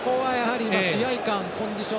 試合勘コンディション